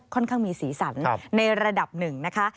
ค่อนข้างมีสีสันในระดับหนึ่งนะคะ